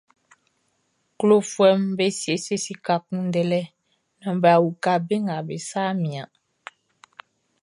Klɔfuɛʼm be siesie sika kunndɛlɛ naan bʼa uka be nga be sa mianʼn.